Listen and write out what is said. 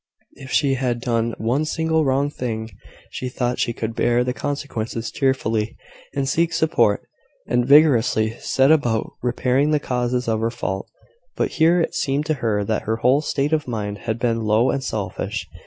If she had done one single wrong thing, she thought she could bear the consequences cheerfully, and seek support, and vigorously set about repairing the causes of her fault; but here it seemed to her that her whole state of mind had been low and selfish.